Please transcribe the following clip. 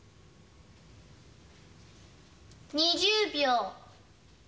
２０秒。